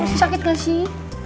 masih sakit gak sih